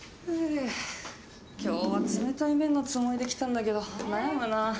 ふぅ今日は冷たい麺のつもりで来たんだけど悩むな。